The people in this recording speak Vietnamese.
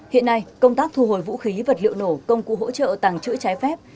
hiện nay công tác thu hồi vũ khí vật liệu nổ công cụ hỗ trợ tàng trữ trái phép